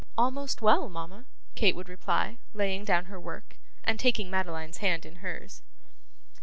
'Almost well, mama,' Kate would reply, laying down her work, and taking Madeline's hand in hers.